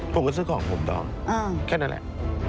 ผมก็ซื้อของผมต่อแค่นั้นแหละ